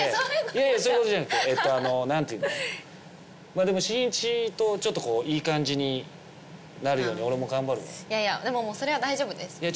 いやいやそういうことじゃなくてえっとあの何て言うのまぁでもしんいちとちょっといい感じになるように俺も頑張るわいやいやでもそれは大丈夫ですいや